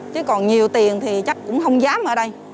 chứ còn nhiều tiền thì chắc cũng không dám ở đây